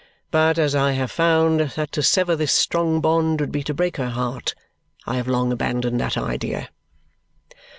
But as I have found that to sever this strong bond would be to break her heart, I have long abandoned that idea."